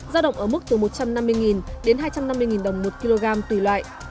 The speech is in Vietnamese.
giao động ở mức từ một trăm năm mươi đến hai trăm năm mươi đồng một kg tùy loại